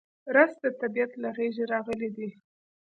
رس د طبیعت له غېږې راغلی دی